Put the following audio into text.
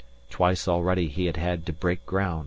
Twice already he had had to break ground.